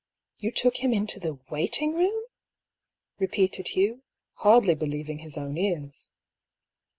" You took him into the waiting room f " repeated Hugh, hardly believing his own ears.